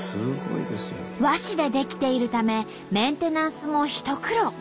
和紙で出来ているためメンテナンスも一苦労。